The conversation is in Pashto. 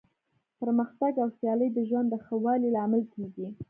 پرمختګ او سیالي د ژوند د ښه والي لامل کیږي.